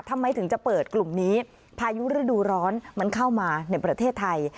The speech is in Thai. ทำไมถึงจะเปิดกลุ่มนี้พายุฤดูร้อนมันเข้ามาในประเทศไทย